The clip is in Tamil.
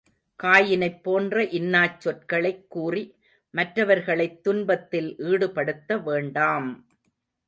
காயினைப் போன்ற இன்னாச் சொற்களைக் கூறி மற்றவர்களைத் துன்பத்தில் ஈடுபடுத்த வேண்டாம்!